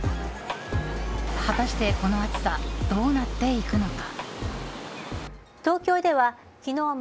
果たして、この暑さどうなっていくのか。